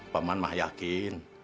paman mah yakin